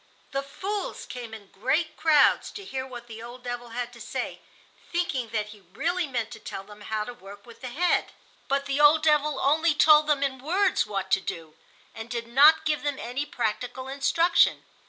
The fools came in great crowds to hear what the old devil had to say, thinking that he really meant to tell them how to work with the head. But the old devil only told them in words what to do, and did not give them any practical instruction.